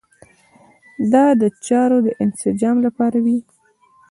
دا د چارو د انسجام لپاره وي.